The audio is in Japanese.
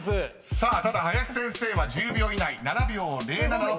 ［さあただ林先生は１０秒以内７秒０７のクリアです。